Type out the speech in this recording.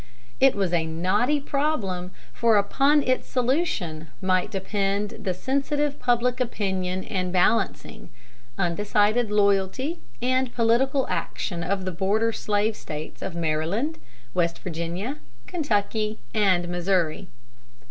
It was a knotty problem, for upon its solution might depend the sensitive public opinion and balancing, undecided loyalty and political action of the border slave States of Maryland, West Virginia, Kentucky, and Missouri.